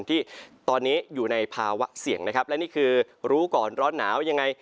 ที่ตอนนี้อยู่ในภาวะเสี่ยงนะครับและนี่คือรู้ก่อนร้อนหนาวยังไง